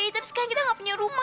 tapi sekarang kita gak punya rumah